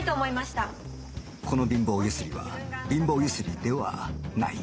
この貧乏ゆすりは貧乏ゆすりではない